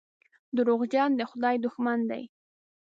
دروغجن د خدای دښمن دی.